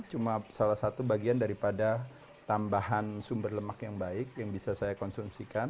cuma salah satu bagian daripada tambahan sumber lemak yang baik yang bisa saya konsumsikan